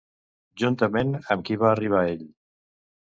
Juntament amb qui va arribar ell?